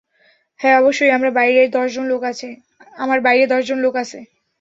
হ্যাঁ, অবশ্যই আমার বাইরে দশজন লোক আছে।